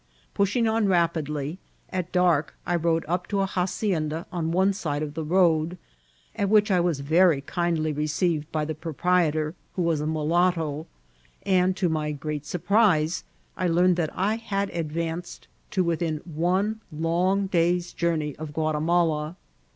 Push« ing on rapidly, at dark I rode up to a hacienda on one side of the road, at which I was very kindly received by the proprietor, who was a mulatto, and, to my great surprise, I learned that I had advanced to within one long day's journey of Guatimala.